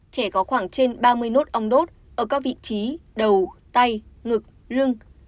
trẻ có khoảng trên ba mươi nốt ong đốt ở các vị trí đầu tay ngực lưng